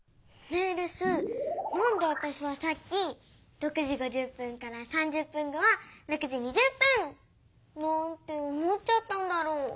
レスなんでわたしはさっき６時５０分から３０分後は６時２０分！なんて思っちゃったんだろう？